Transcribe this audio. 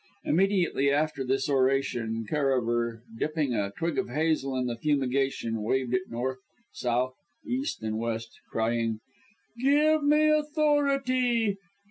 Immediately after this oration Karaver, dipping a twig of hazel in the fumigation, waved it north, south, east and west crying "Give me authority!